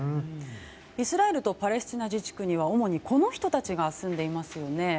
イスラエルとパレスチナ自治区には主に、この人たちが住んでいますよね。